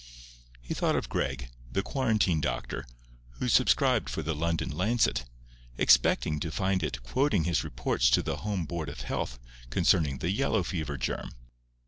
He thought of Gregg, the quarantine doctor, who subscribed for the London Lancet, expecting to find it quoting his reports to the home Board of Health concerning the yellow fever germ.